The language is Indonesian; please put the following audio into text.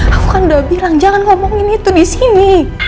aku kan udah bilang jangan ngomongin itu disini